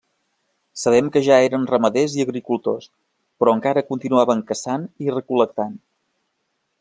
Sabem que ja eren ramaders i agricultors, però encara continuaven caçant i recol·lectant.